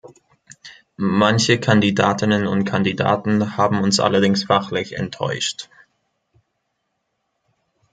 Manche Kandidatinnen und Kandidaten haben uns allerdings fachlich enttäuscht.